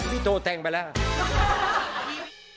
พี่โทรแต่งไปแล้ว